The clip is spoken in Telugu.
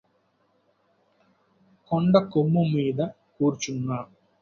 కొండకొమ్ము మీద కూరుచున్న